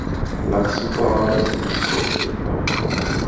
Luxembourg is an associate member.